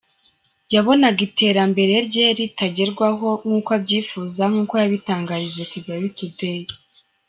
Yabonaga iterambere rye ritagerwaho nkuko abyifuza; nkuko yabitangarije Kigali Today.